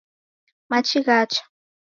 Machi ghacha.